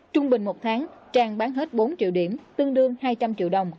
trung bình một tháng trang bán hết bốn triệu điểm tương đương hai trăm linh triệu đồng